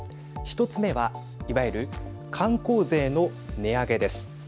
１つ目はいわゆる観光税の値上げです。